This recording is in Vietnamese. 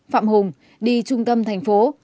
phạm hùng đi trung tâm thành phố